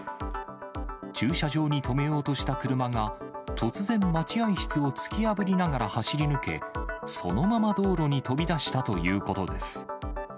駐車場に止めようとした車が突然、待合室を突き破りながら走り抜け、そのまま道路に飛び出したということです。